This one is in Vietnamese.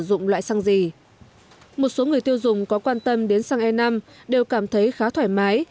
dụng loại xăng gì một số người tiêu dùng có quan tâm đến xăng e năm đều cảm thấy khá thoải mái